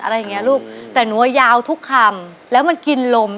แต่หนูยาวทุกคำแล้วมันกินลม